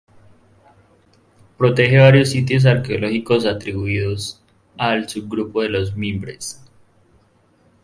Protege varios sitios arqueológicos atribuidos al subgrupo de Los Mimbres.